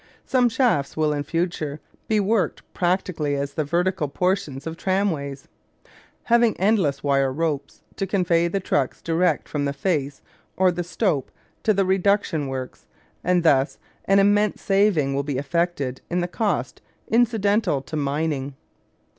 Some shafts will in future be worked practically as the vertical portions of tramways, having endless wire ropes to convey the trucks direct from the face or the stope to the reduction works, and thus an immense saving will be effected in the costs incidental to mining.